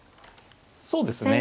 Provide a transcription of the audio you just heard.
そうですね。